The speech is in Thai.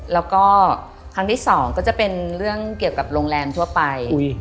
แล้วก็ครั้งที่สองก็จะเป็นเรื่องเกี่ยวกับโรงแรมทั่วไป